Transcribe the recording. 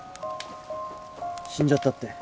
死んじゃったって。